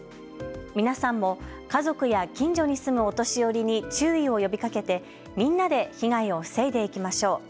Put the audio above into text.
皆さんも家族や近所に住むお年寄りに注意を呼びかけてみんなで被害を防いでいきましょう。